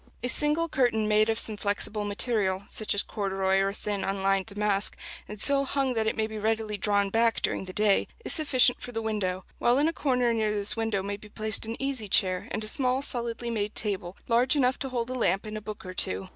A single curtain made of some flexible material, such as corduroy or thin unlined damask, and so hung that it may be readily drawn back during the day, is sufficient for the window; while in a corner near this window may be placed an easy chair and a small solidly made table, large enough to hold a lamp and a book or two.